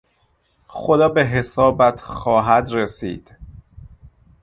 خدا به حسابت خواهد رسید!